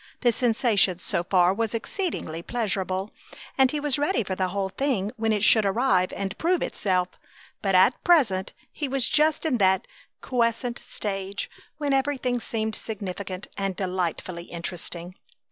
The sensation so far was exceedingly pleasurable, and he was ready for the whole thing when it should arrive and prove itself; but at present he was just in that quiescent stage when everything seemed significant and delightfully interesting.